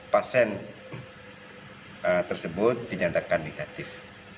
pasien tersebut dinyatakan negatif